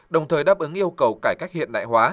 đồng thời đáp ứng yêu cầu cải cách hiện đại hóa